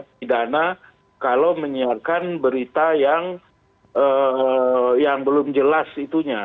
pidana kalau menyiarkan berita yang belum jelas itunya